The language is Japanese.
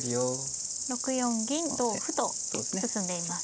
６四銀同歩と進んでいます。